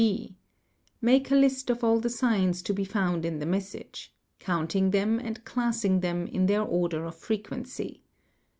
(b) Make a list of all the signs to be found in the message, counting them and classing them in their order of frequency.